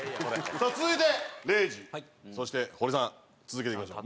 さあ続いて礼二そして堀さん続けていきましょう。